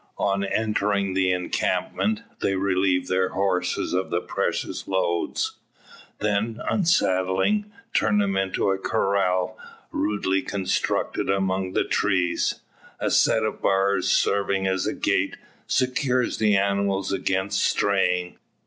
On entering the encampment, they relieve their horses of the precious loads. Then unsaddling, turn them into a "corral" rudely constructed among the trees. A set of bars, serving as a gate, secures the animals against straying.